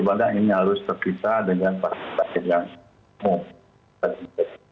bagaimana ini harus terpisah dengan pasien yang mau